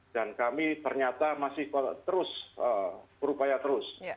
kami ternyata masih terus berupaya terus